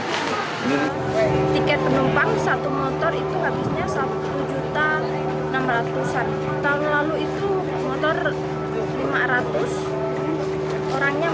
tiket penumpang satu motor itu harusnya rp satu enam ratus